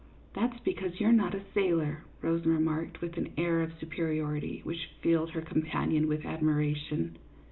"That's because you're not a sailor," Rose remarked, with an air of superiority, which filled her companion with admiration.